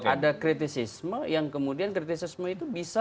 ada kritisisme yang kemudian kritisisme itu bisa